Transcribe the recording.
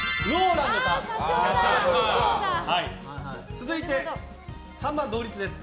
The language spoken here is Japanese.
続いて３番、同率です。